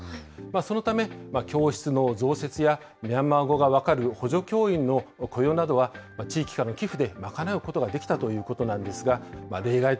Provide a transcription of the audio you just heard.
そのため、教室の増設やミャンマー語が分かる補助教員の雇用などは、地域からの寄付で賄うことができたということなんですが、